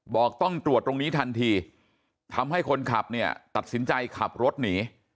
บอกต้องตรวจตรงนี้ทันทีทำให้คนขับเนี่ยตัดสินใจขับรถหนี